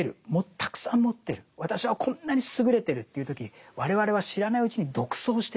たくさん持ってる私はこんなに優れてるっていう時我々は知らないうちに独走してるんです。